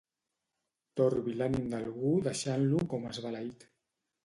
Torbi l'ànim d'algú deixant-lo com esbalaït.